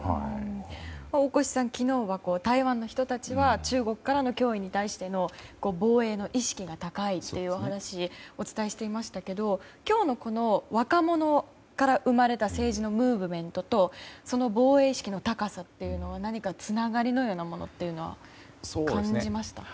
大越さん、昨日は台湾の人たちは中国からの脅威に対しての防衛の意識が高いというお話をお伝えしていましたけど今日の若者から生まれた政治のムーブメントとその防衛意識の高さというのは何かつながりのようなものは感じました？